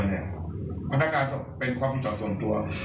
เพราะถ้าการเป็นความผิดต่อส่วนตัว